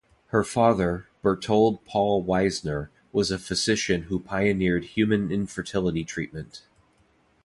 Her father, Bertold Paul Wiesner, was a physician who pioneered human infertility treatment.